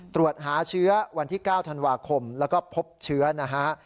ตรวจหาเชื้อวันที่๙ธันวาคมแล้วก็พบเชื้อนะฮะ